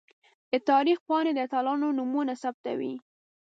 د تاریخ پاڼې د اتلانو نومونه ثبتوي.